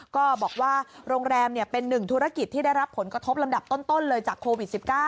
ก็บอกว่าโรงแรมเป็นหนึ่งธุรกิจที่ได้รับผลกระทบลำดับต้นเลยจากโควิด๑๙